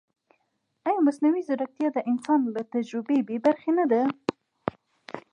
ایا مصنوعي ځیرکتیا د انسان له تجربې بېبرخې نه ده؟